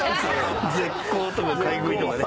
絶交とか買い食いとかね。